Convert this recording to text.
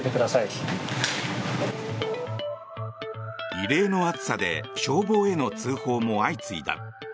異例の暑さで消防への通報も相次いだ。